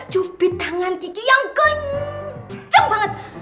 cupit tangan kiki yang kenceng banget